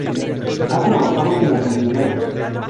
Ha trabajado como camionero.